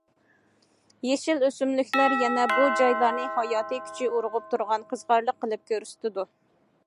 يېشىل ئۆسۈملۈكلەر يەنە بۇ جايلارنى ھاياتى كۈچى ئۇرغۇپ تۇرغان، قىزىقارلىق قىلىپ كۆرسىتىدۇ.